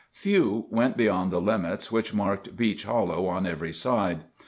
Few went beyond the limits which marked Beech Hollow on every side.